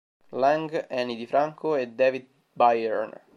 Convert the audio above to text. Lang, Ani di Franco e David Byrne.